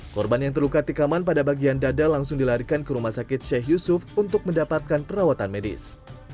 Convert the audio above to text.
korban yang terluka tikaman pada bagian dada langsung dilarikan ke rumah sakit sheikh yusuf untuk mendapatkan perawatan medis